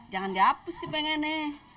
jangan dihapus sih pengennya